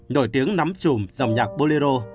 nổi tiếng nắm trùm dòng nhạc bolero